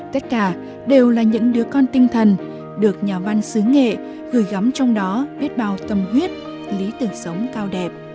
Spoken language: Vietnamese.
tất cả đều là những đứa con tinh thần được nhà văn xứ nghệ gửi gắm trong đó biết bao tâm huyết lý tưởng sống cao đẹp